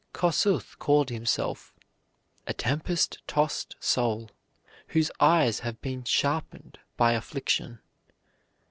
Kossuth called himself "a tempest tossed soul, whose eyes have been sharpened by affliction."